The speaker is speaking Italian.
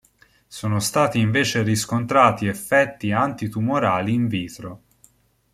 Sono stati invece riscontrati effetti antitumorali in vitro.